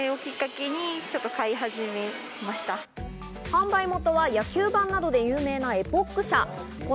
販売元は野球盤などで有名なエポック社。